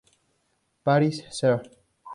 Paris" ser.